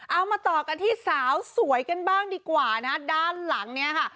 เอามาต่อกันที่สาวสวยกันบ้างดีกว่านะฮะด้านหลังเนี่ยค่ะ